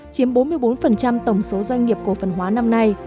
chiếm bốn mươi bốn tổng số doanh nghiệp cổ phần hóa năm nay